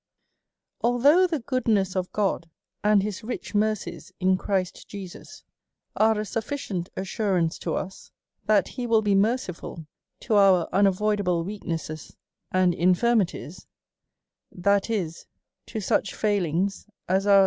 ALTHOUGH the goodness of God, and his rich mercies in Christ Jesus, are a sufficient assurance to * us that he will be merciful to our unavoidable weak •' nesses and infirmities, that is, to such failings as are ■